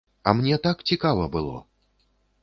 А мне так цікава было!